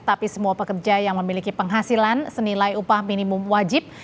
tapi semua pekerja yang memiliki penghasilan senilai upah minimum wajib